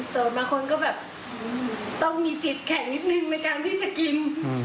เปิดมาคนก็แบบต้องมีจิตแข็งนิดนึงในการที่จะกิน